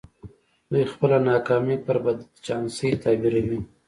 دوی خپله ناکامي پر بد چانسۍ تعبيروي.